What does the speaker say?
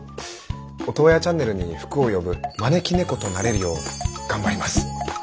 オトワヤチャンネルに福を呼ぶ招き猫となれるよう頑張ります！